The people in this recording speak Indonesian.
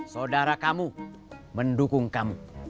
saudara kamu mendukung kamu